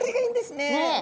ねえ。